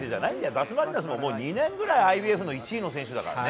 ダスマリナスももう２年ぐらいＩＢＦの１位の選手だからね。